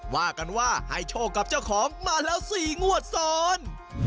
ว่ากันว่าให้โชคกับเจ้าของมาแล้ว๔งวดซ้อน